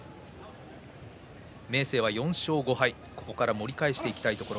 明生は４勝５敗とここから盛り返していきたいところ。